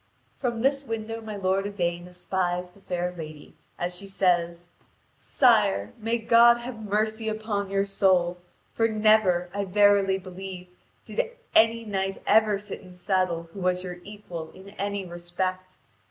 From this window my lord Yvain espies the fair lady, as she says: "Sire, may God have mercy upon your soul! For never, I verily believe, did any knight ever sit in saddle who was your equal in any respect.